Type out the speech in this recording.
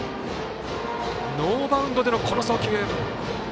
ノーバウンドでのこの送球。